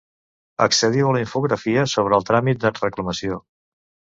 Accediu a la infografia sobre el tràmit de reclamació.